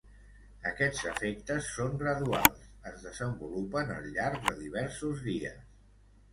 Aquests efectes són graduals, es desenvolupen al llarg de diversos dies.